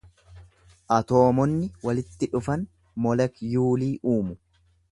Atoomonni walitti dhufan molekyuulii uumu.